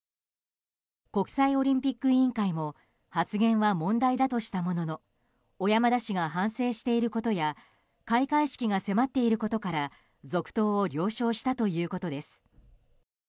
国際オリンピック委員会も発言は問題だとしたものの小山田氏が反省していることや開会式が迫っていることから続投を了承したということです。